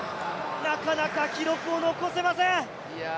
なかなか記録を残せません。